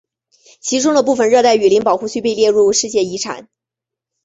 其中的部分热带雨林保护区被列入世界遗产。